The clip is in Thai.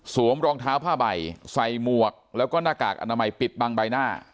รองเท้าผ้าใบใส่หมวกแล้วก็หน้ากากอนามัยปิดบังใบหน้า